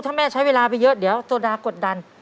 ถ้าแม่ใช้เวลาไปเยอะเดี๋ยวโซดากดดัน